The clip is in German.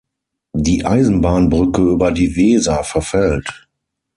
Die Eisenbahnbrücke über die Weser verfällt.